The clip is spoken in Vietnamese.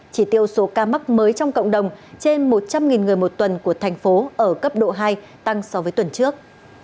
chỉ tiêu số ca mắc mới trong cộng đồng trên một trăm linh người một tuần của thành phố ở cấp độ hai tăng so với tuần trước